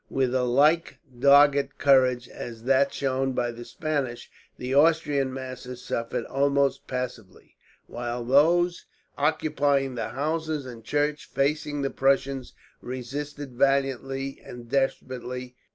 With a like dogged courage as that shown by the Spanish, the Austrian masses suffered almost passively, while those occupying the houses and churches facing the Prussians resisted valiantly and desperately.